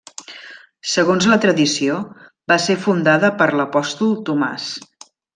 Segons la tradició, va ser fundada per l'Apòstol Tomàs.